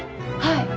はい！